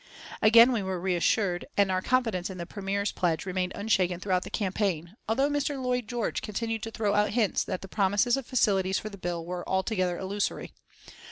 Again we were reassured, and our confidence in the Premier's pledge remained unshaken throughout the campaign, although Mr. Lloyd George continued to throw out hints that the promises of facilities for the bill were altogether illusory.